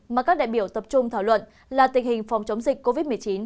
mà các đại biểu tập trung thảo luận là tình hình phòng chống dịch covid một mươi chín